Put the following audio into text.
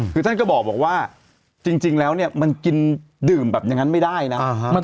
คือท่านก็บอกว่าจริงแล้วเนี่ยมันกินดื่มแบบอย่างนั้นไม่ได้นะ